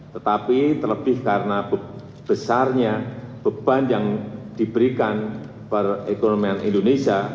tetapi terlebih karena besarnya beban yang diberikan perekonomian indonesia